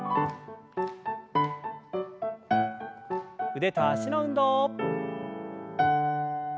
腕と脚の運動。